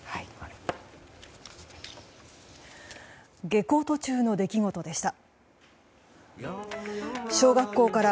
下校途中の出来事でした。